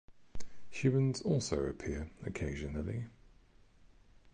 Humans also appear occasionally.